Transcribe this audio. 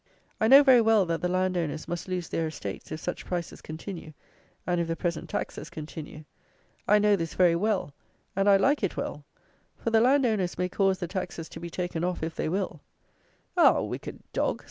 I know very well that the landowners must lose their estates, if such prices continue, and if the present taxes continue; I know this very well; and, I like it well; for, the landowners may cause the taxes to be taken off if they will. "Ah! wicked dog!"